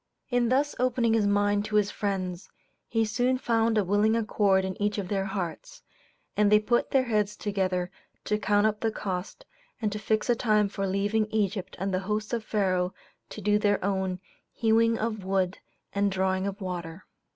In thus opening his mind to his friends, he soon found a willing accord in each of their hearts, and they put their heads together to count up the cost and to fix a time for leaving Egypt and the host of Pharaoh to do their own "hewing of wood and drawing of water."